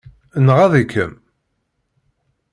Nɣaḍ-ikem?